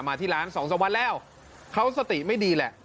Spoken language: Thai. ที่ร้านสองสามวันแล้วเขาสติไม่ดีแหละ